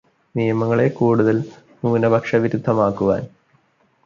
നിയമങ്ങളെ കൂടുതല് ന്യൂനപക്ഷവിരുദ്ധമാക്കുവാൻ